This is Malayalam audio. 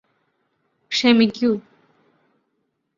ക്ഷമിക്കൂ